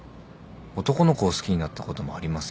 男の子を好きになったこともありません。